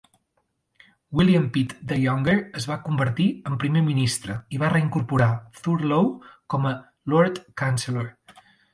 William Pitt the Younger es va convertir en primer ministre i va reincorporar Thurlow com a Lord Chancellor.